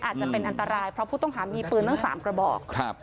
อาจจะเป็นอันตรายเพราะผู้ต้องหามีปืนตั้ง๓กระบอกครับ